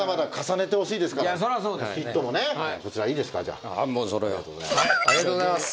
ありがとうございます。